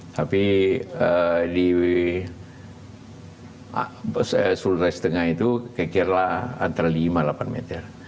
tapi di sulawesi tengah itu kira kira antara lima delapan meter